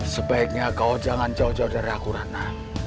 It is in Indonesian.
sebaiknya kau jangan jauh jauh dari aku ratna